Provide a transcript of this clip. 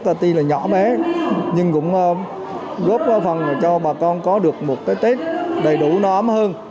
ta tuy là nhỏ bé nhưng cũng góp phần cho bà con có được một cái tết đầy đủ nó ấm hơn